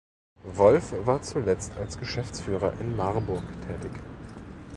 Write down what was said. Wolf war zuletzt als Geschäftsführer in Marburg tätig.